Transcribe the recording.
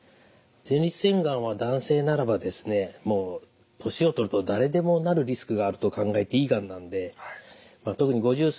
前立腺がんは男性ならば年を取ると誰でもなるリスクがあると考えていいがんなんで特に５０過ぎた方はですね